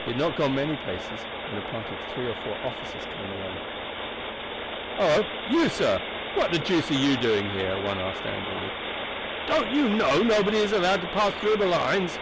He had not gone many paces when a party of three or four officers came along. "Hallo, you sir, what the deuce are you doing here?" one asked angrily. "Don't you know nobody is allowed to pass through the lines?"